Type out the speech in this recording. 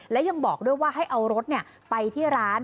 และยังบอกด้วยว่าให้เอารถไปที่ร้าน